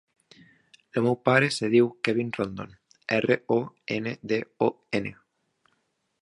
El meu pare es diu Kevin Rondon: erra, o, ena, de, o, ena.